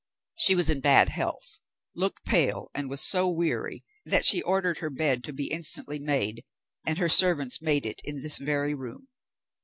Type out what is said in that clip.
She was in bad health, looked pale, and was so weary, that she ordered her bed to be instantly made, and her servants made it in this very room.